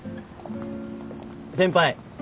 先輩